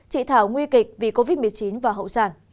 chị thảo nguy kịch vì covid một mươi chín và hậu sản